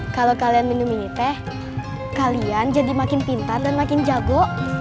kalau kalian minum milih teh kalian jadi makin pintar dan makin jago